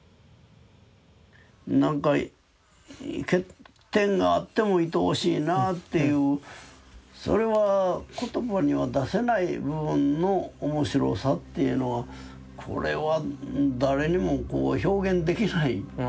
なんか欠点があってもいとおしいなっていうそれは言葉には出せない部分の面白さっていうのはこれは誰にも表現できないややっこしいもんやと思うんです。